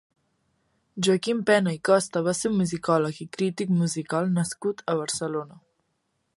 Joaquim Pena i Costa va ser un musicòleg i crític musical nascut a Barcelona.